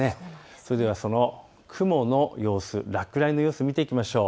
それではその雲の様子、落雷の様子を見ていきましょう。